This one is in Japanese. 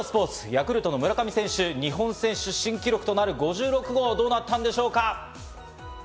ヤクルトの村上選手、日本選手新記録となる５６号はどうなったんでしょうか？